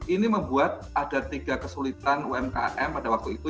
ini membuat ada tiga kesulitan umkm pada waktu itu